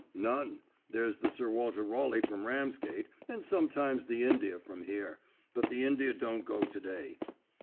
"None. There's the Sir Walter Raleigh from Ramsgate, and sometimes the India from here; but the India don't go to day."